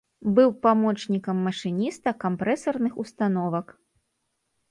Быў памочнікам машыніста кампрэсарных установак.